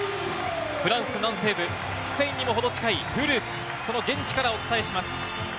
フランス南西部スペインにほど近いトゥールーズ、その現地からお伝えします。